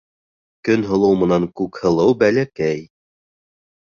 Көнһылыу менән Күкһылыу бәләкәй.